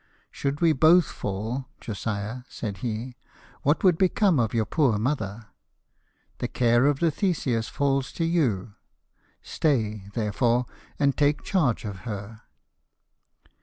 " Should we both fall, Josiah," said he, "what would become of your poor mother ? The care of the Theseus falls to you; stay, therefore, and take charge of her."